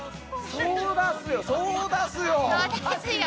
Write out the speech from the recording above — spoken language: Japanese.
そうだすよ。